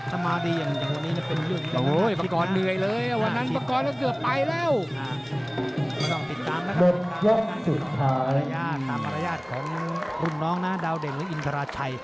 โอ้โหประกอดเหนื่อยเลยวันนั้นประกอดจะเกือบไปแล้ว